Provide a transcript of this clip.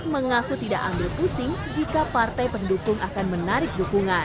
mengaku tidak ambil pusing jika partai pendukung akan menarik dukungan